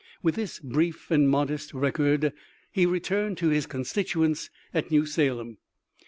With this brief and modest rec ord he returned to his constituents at New Salem.